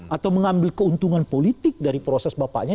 atau mengambil keuntungan politik dari proses bapaknya